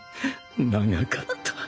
長かった